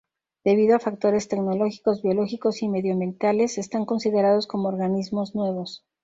Debido a factores tecnológicos, biológicos y medioambientales, están considerados como organismos nuevos.